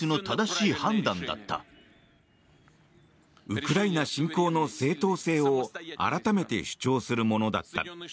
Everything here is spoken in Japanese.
ウクライナ侵攻の正当性を改めて主張するものだった。